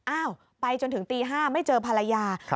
อ้าวไปจนถึงตี๕ไม่เจอภรรยา